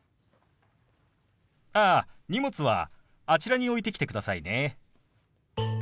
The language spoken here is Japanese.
ああ荷物はあちらに置いてきてくださいね。